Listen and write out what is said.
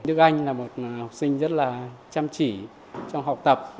đức anh là một học sinh rất là chăm chỉ trong học tập